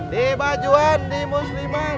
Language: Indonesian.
di bajuan di musliman